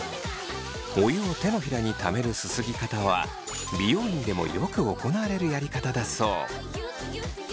お湯を手のひらにためるすすぎ方は美容院でもよく行われるやり方だそう。